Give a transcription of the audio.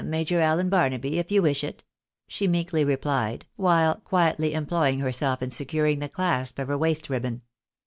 Major Allen Barnaby, if you wish it," she meekly replied, while quietly employing herself in securing the clasp of her waist ribbon.